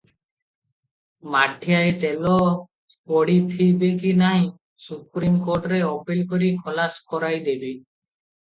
ମାଠିଆଏ ତେଲ ପେଡ଼ିଥିବେକି ନାହିଁ, ସୁପ୍ରିମ କୋର୍ଟରେ ଅପିଲ କରି ଖଲାସ କରାଇଦେବି ।